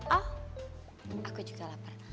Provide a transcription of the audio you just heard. aku juga lapar